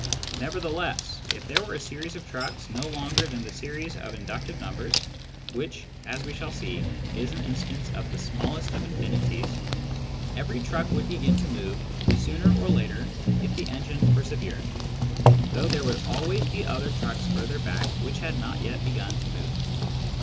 Nevertheless, if there were a series of trucks no longer than the series of inductive numbers (which, as we shall see, is an instance of the smallest of infinites), every truck would begin to move sooner or later if the engine persevered, though there would always be other trucks further back which had not yet begun to move.